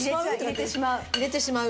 入れてしまう。